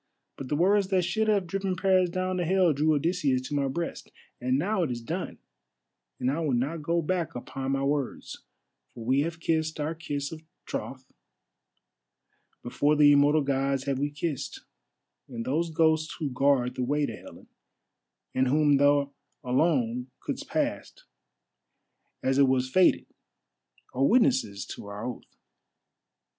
But the words that should have driven Paris down to Hell drew Odysseus to my breast. And now it is done, and I will not go back upon my words, for we have kissed our kiss of troth, before the immortal Gods have we kissed, and those ghosts who guard the way to Helen, and whom thou alone couldst pass, as it was fated, are witnesses to our oath.